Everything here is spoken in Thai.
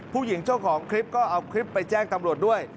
ผู้หญิงเจ้าของคลิปก็เอาคลิปไปแจ้งตำรวจด้วย